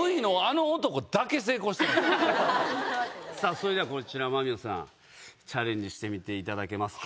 それではこちら間宮さんチャレンジしていただけますか？